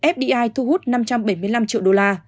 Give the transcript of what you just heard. fdi thu hút năm trăm bảy mươi năm triệu đô la